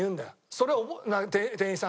それを店員さんが。